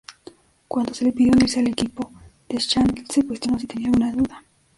Cuando se le pidió unirse al equipo, Deschanel se cuestionó si tenía alguna duda.